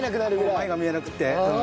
前が見えなくって。